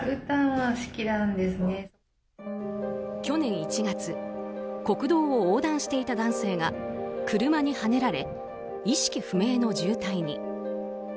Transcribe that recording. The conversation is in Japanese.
去年１月国道を横断していた男性が車にはねられ意識不明の重体に。